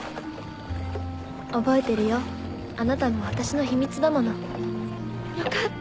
覚えてるよあなたも私の秘密だもの。よかった！